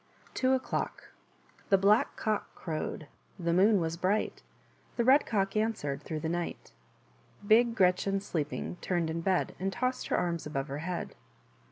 r Two Oclockr |he Black Cock crovred; The Af(707zwas bright ; The Red Cock answered Through the night. % Bi>Cre^cj&ff/t^sleeping, Turned m bed. And tossed her arms Above her he ad.